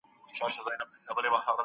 پروردګار د ټولو مخلوقاتو روزونکی دی.